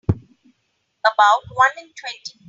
About one in twenty.